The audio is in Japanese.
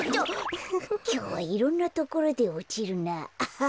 きょうはいろんなところでおちるなあ。